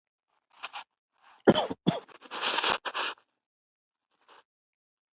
تاسو د مسواک کومه اندازه خوښوئ چې په لاس کې مو برابر وي؟